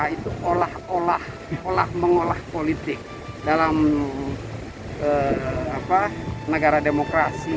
itu olah olah mengolah politik dalam negara demokrasi